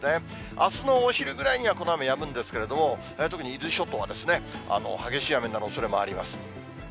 あすのお昼ぐらいにはこの雨やむんですけれども、特に伊豆諸島は激しい雨になるおそれもあります。